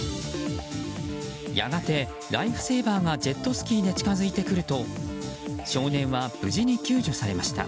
やがてライフセーバーがジェットスキーで近づいてくると少年は無事に救助されました。